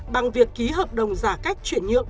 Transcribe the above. bằng việc ký hợp đồng giả cách chuyển nhượng